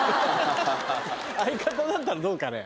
相方だったらどうかね？